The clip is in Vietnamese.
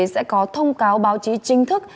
sẽ có thông cáo báo chí chính thức